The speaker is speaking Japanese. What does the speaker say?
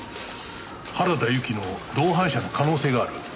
原田由紀の同伴者の可能性がある。